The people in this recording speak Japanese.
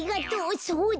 そうだ。